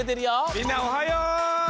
みんなおはよう。